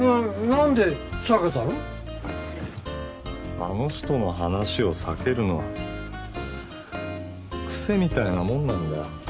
あの人の話を避けるのは癖みたいなもんなんだよ。